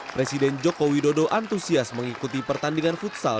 presiden jokowi dodo antusias mengikuti pertandingan futsal